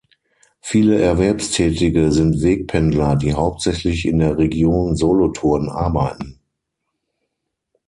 Viele Erwerbstätige sind Wegpendler, die hauptsächlich in der Region Solothurn arbeiten.